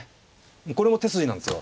これも手筋なんですよ。